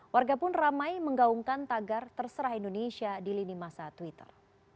warga pun ramai menggaungkan tagar terserah indonesia di lini masa twitter